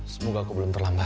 semoga aku belum terlambat